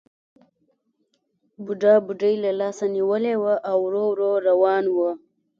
بوډا بوډۍ له لاسه نیولې وه او ورو ورو روان وو